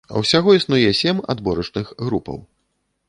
Усяго існуе сем адборачных групаў.